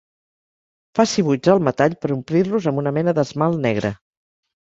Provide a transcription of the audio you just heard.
Faci buits al metall per omplir-los amb una mena d'esmalt negre.